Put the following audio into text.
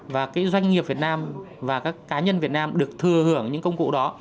và cái doanh nghiệp việt nam và các cá nhân việt nam được thừa hưởng những công cụ đó